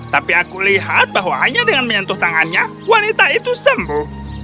tapi aku lihat bahwa hanya dengan menyentuh tangannya wanita itu sembuh